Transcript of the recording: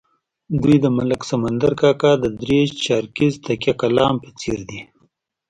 دوی د ملک سمندر کاکا د درې چارکیز تکیه کلام په څېر دي.